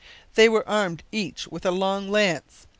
They were armed each with a long lance.